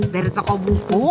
dari toko buku